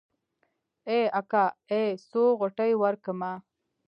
ای اکا ای څو غوټې ورکمه.